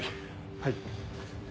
はい。